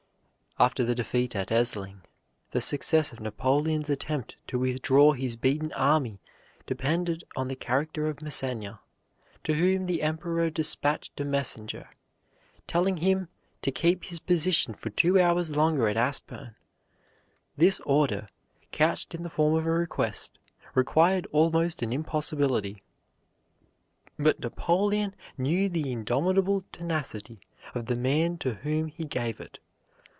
"After the defeat at Essling, the success of Napoleon's attempt to withdraw his beaten army depended on the character of Masséna, to whom the Emperor dispatched a messenger, telling him to keep his position for two hours longer at Aspern. This order, couched in the form of a request, required almost an impossibility; but Napoleon knew the indomitable tenacity of the man to whom he gave it.